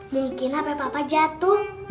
mungkin hape papa jatuh